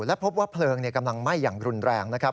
และพบว่าเพลิงกำลังไหม้อย่างรุนแรงนะครับ